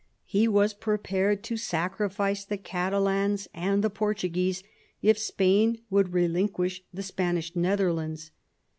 He was prepared to sacrifice the Catalans and the Portuguese if Spain would relinquish the Spanish Netherlands.